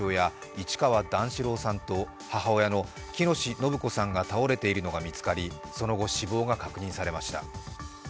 市川段四郎さんと母親の喜熨斗延子さんが倒れているのが見つかりその後、死亡が確認されました。